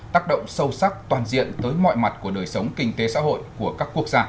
tác động sâu sắc toàn diện tới mọi mặt của đời sống kinh tế xã hội của các quốc gia